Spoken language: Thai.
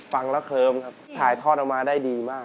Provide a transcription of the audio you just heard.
ฟังแล้วเคลิมครับถ่ายทอดออกมาได้ดีมาก